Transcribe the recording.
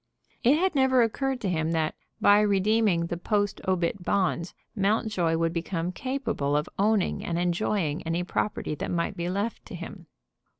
It had never occurred to him that, by redeeming the post obit bonds, Mountjoy would become capable of owning and enjoying any property that might be left to him.